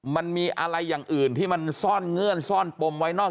มันมีอะไรอย่างอื่นที่มันซ่อนเงื่อนซ่อนปมไว้นอก